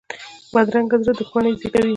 بدرنګه زړه دښمني زېږوي